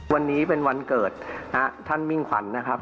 วันนี้เป็นวันเกิดท่านมิ่งขวัญนะครับ